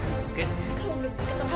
kamu belum diketahui